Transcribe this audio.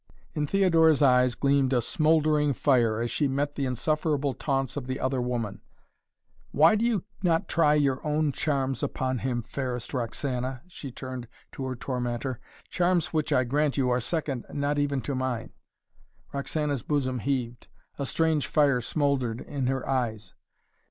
In Theodora's eyes gleamed a smouldering fire, as she met the insufferable taunts of the other woman. "Why do you not try your own charms upon him, fairest Roxana?" she turned to her tormentor. "Charms which, I grant you, are second not even to mine." Roxana's bosom heaved. A strange fire smouldered in her eyes.